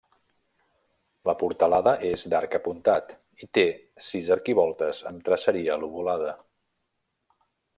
La portalada és d'arc apuntat i té sis arquivoltes amb traceria lobulada.